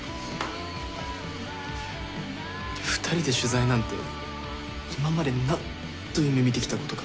二人で取材なんて今まで何度夢見てきたことか。